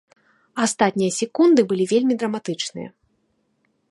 Астатнія секунды былі вельмі драматычныя.